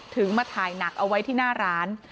มาถ่ายหนักเอาไว้ที่หน้าร้าน